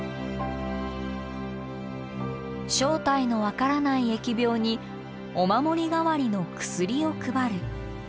正体の分からない疫病にお守り代わりの薬を配る。